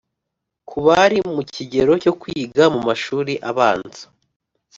ku bari mu kigero cyo kwiga mu mashuri abanza